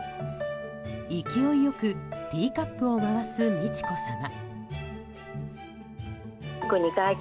勢いよくティーカップを回す美智子さま。